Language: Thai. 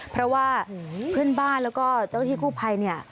เพราะว่าเพื่อนบ้านแล้วก็เจ้าหน้าที่กู้ภัยเนี่ย